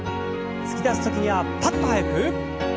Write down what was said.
突き出す時にはパッと速く。